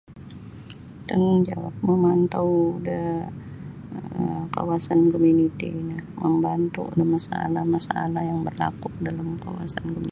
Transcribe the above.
Tanggugjawab mamantau da kawasan komuniti no mambantu da masalah-masalah yang berlaku dalam kawasan.